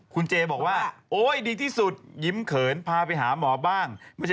คุณเจบอกว่าโอ๊ยดีที่สุดยิ้มเขินพาไปหาหมอบ้าง